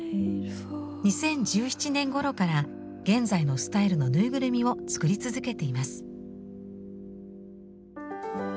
２０１７年ごろから現在のスタイルのぬいぐるみを作り続けています。